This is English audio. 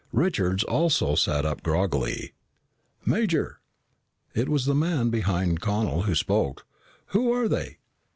Richards also sat up groggily. "Major!" It was the man behind Connel who spoke. "Who are they?"